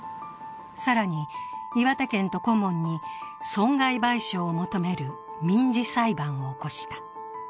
更に、岩手県と顧問に、損害賠償を求める民事裁判を起こした。